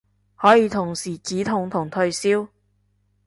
可以同時止痛同退燒